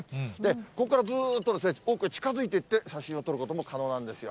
ここからずっと奥へ近づいてって写真を撮ることも可能なんですよ。